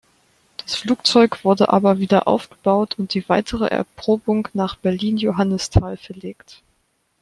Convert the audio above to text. Das Flugzeug wurde aber wieder aufgebaut und die weitere Erprobung nach Berlin-Johannisthal verlegt.